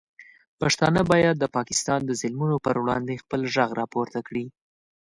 پښتانه باید د پاکستان د ظلمونو پر وړاندې خپل غږ راپورته کړي.